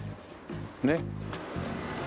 ねっ。